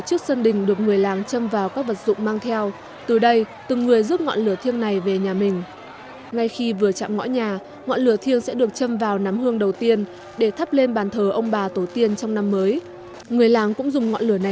trước xuân đình nơi được coi là linh thiêng nhất làng các bồ lão đã chuẩn bị cho lễ rước lửa chiếc hộp này được nối vào một cây đuốc bên trong có để chuẩn bị cho lễ rước lửa